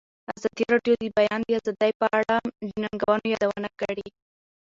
ازادي راډیو د د بیان آزادي په اړه د ننګونو یادونه کړې.